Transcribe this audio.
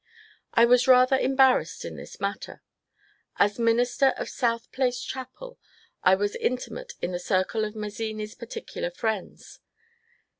I was rather embarrassed in this matter. As minister of South Place chapel I was inti mate in the circle of Mazzini's particular friends.